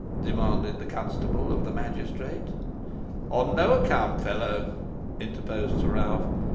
demanded the constable of the magistrate. "On no account, fellow," interposed Sir Ralph.